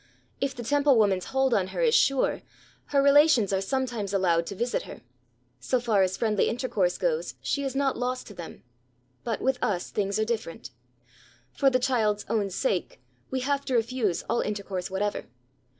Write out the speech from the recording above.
If the Temple woman's hold on her is sure, her relations are sometimes allowed to visit her; so far as friendly intercourse goes she is not lost to them. But with us things are different. For the child's own sake we have to refuse all intercourse whatever.